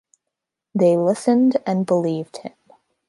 They listened and believed him.